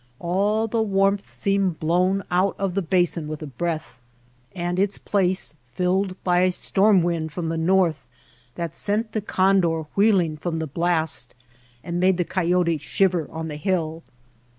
All the warmth seemed blown out of the basin with a breath, and its place filled by a storm wind from the north that sent the condor wheeling down the blast and made the coyote shiver on the hill.